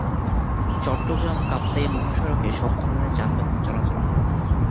চট্টগ্রাম-কাপ্তাই মহাসড়কে সব ধরনের যানবাহন চলাচল করে।